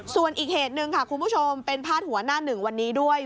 ส่วนอีกเหตุหนึ่งค่ะคุณผู้ชมเป็นพาดหัวหน้าหนึ่งวันนี้ด้วย